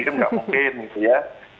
kan nggak mungkin gitu ya